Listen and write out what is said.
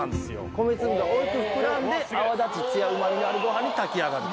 米粒が大きく膨らんで泡立ちツヤうまみのあるごはんに炊き上がる。